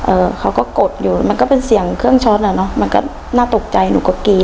เขาก็กดอยู่มันก็เป็นเสียงเครื่องช็อตอ่ะเนอะมันก็น่าตกใจหนูก็กรี๊